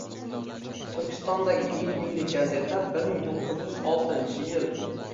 Turkistondagi ilk milliy gazeta bir ming to'qqiz yuz oltingchi yil